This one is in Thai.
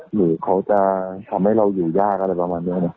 หรือเขาจะทำให้เราอยู่ยากอะไรประมาณนี้